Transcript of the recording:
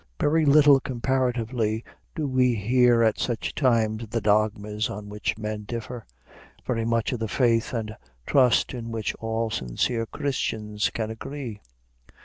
Very little comparatively do we hear at such times of the dogmas on which men differ; very much of the faith and trust in which all sincere Christians can agree.